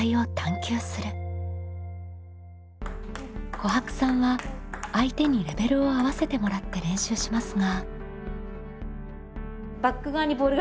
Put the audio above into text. こはくさんは相手にレベルを合わせてもらって練習しますが。